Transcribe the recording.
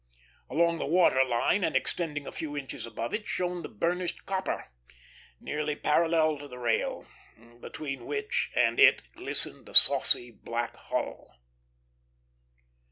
Along the water line, and extending a few inches above it, shone the burnished copper, nearly parallel to the rail, between which and it glistened the saucy black hull.